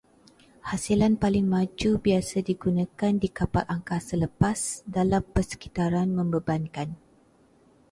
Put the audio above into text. Hasilan paling maju biasa digunakan di kapal angkasa lepas dalam persekitaran membebankan